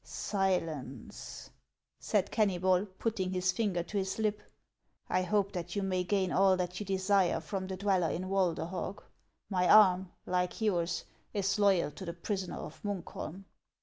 " Silence !" said Kennybol, putting his finger to his lip. " I hope that you may gain all that you desire from the dweller in Walderhog ; my arm, like yours, is loyal to the prisoner of Munkholm."